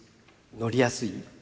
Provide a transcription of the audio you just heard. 乗りやすい？